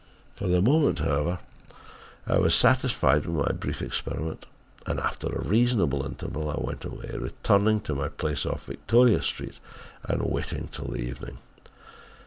For the moment however, I was satisfied with my brief experiment and after a reasonable interval I went away, returning to my place off Victoria Street and waiting till the evening.